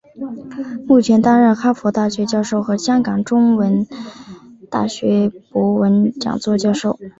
目前担任哈佛大学教授和香港中文大学博文讲座教授。